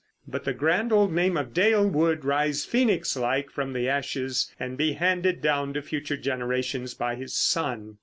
But the grand old name of Dale would rise phoenix like from the ashes and be handed down to future generations by his son.